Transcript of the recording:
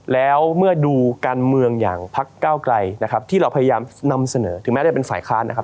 แล้วเมื่อดูการเมืองอย่างพักเก้าไกลนะครับที่เราพยายามนำเสนอถึงแม้ได้เป็นฝ่ายค้านนะครับ